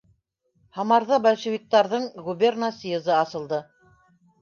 Һамарҙа большевиктарҙың губерна съезы асылды.